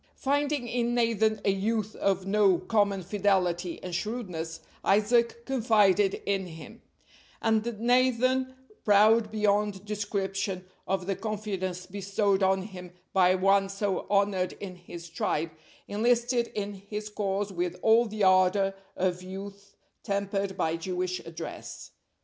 Finding in Nathan a youth of no common fidelity and shrewdness, Isaac confided in him; and Nathan, proud beyond description of the confidence bestowed on him by one so honored in his tribe, enlisted in his cause with all the ardor of youth tempered by Jewish address.